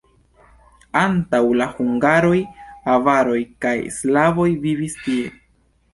Antaŭ la hungaroj avaroj kaj slavoj vivis tie.